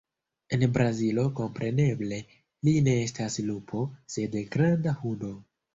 En Brazilo, kompreneble, li ne estas lupo, sed "granda hundo".